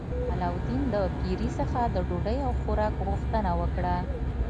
علاوالدین له پیري څخه د ډوډۍ او خوراک غوښتنه وکړه.